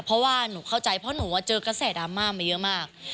เพราะว่าหนูเข้าใจเพราะหนูเจอกระแสดราม่ามาเยอะมาก